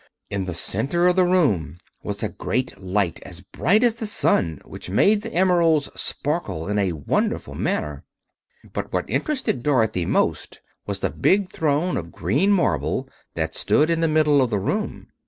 In the center of the roof was a great light, as bright as the sun, which made the emeralds sparkle in a wonderful manner. But what interested Dorothy most was the big throne of green marble that stood in the middle of the room.